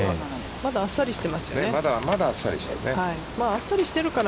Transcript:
まだあっさりしているよね。